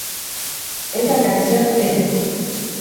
Esa canción, "St.